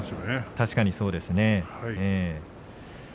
確かにそうですね。